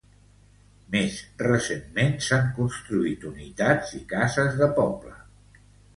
Més recentment s'han construït unitats i cases de poble.